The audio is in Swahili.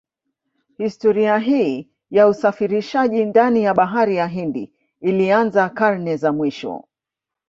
Historia hii ya usafirishaji ndani ya bahari ya Hindi ilianza karne za mwanzo